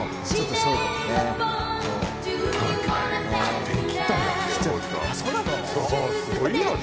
そうすごいよね